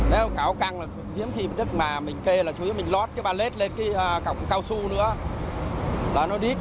nếu cảo căng là khiến khi bị đứt mà mình kê là chủ yếu mình lót cái bà lết lên cái cọng cao su nữa là nó đít